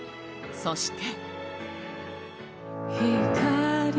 そして。